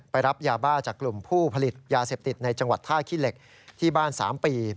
รับยาบ้าจากกลุ่มผู้ผลิตยาเสพติดในจังหวัดท่าขี้เหล็กที่บ้าน๓ปี